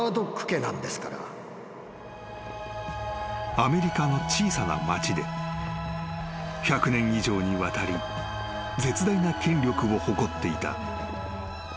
［アメリカの小さな町で１００年以上にわたり絶大な権力を誇っていたマードック家］